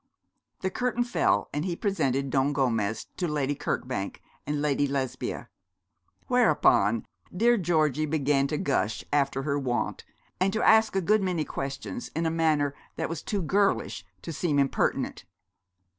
The curtain fell, and he presented Don Gomez to Lady Kirkbank and Lady Lesbia; whereupon dear Georgie began to gush, after her wont, and to ask a good many questions in a manner that was too girlish to seem impertinent.